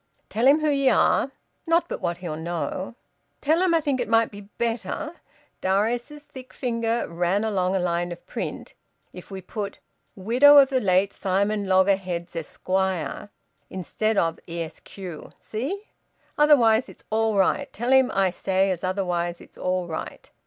Tell him who ye are. Not but what he'll know. Tell him I think it might be better" Darius's thick finger ran along a line of print "if we put `widow of the late Simon Loggerheads Esquire,' instead of `Esq.' See? Otherwise it's all right. Tell him I say as otherwise it's all right.